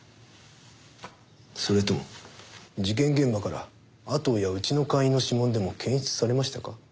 それとも事件現場から阿藤やうちの会員の指紋でも検出されましたか？